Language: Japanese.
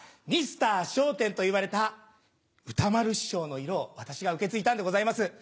ミスター笑点といわれた歌丸師匠の色を私が受け継いだんでございます。